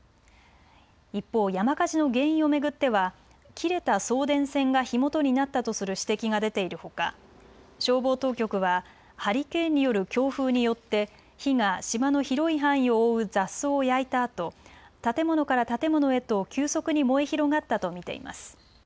一方、山火事の原因を巡っては切れた送電線が火元になったとする指摘が出ているほか消防当局はハリケーンによる強風によって火が島の広い範囲を覆う雑草を焼いたあと建物から建物へと急速に燃え広がったと見ています。